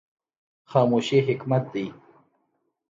خاموشي حکمت دی